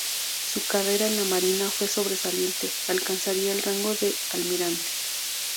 Su carrera en la marina fue sobresaliente, alcanzaría el rango de almirante.